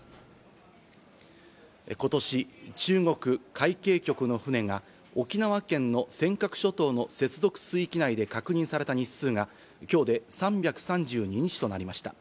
今年、中国海警局の船が沖縄県の尖閣諸島の接続水域内で確認された日数が今日で３３２日となりました。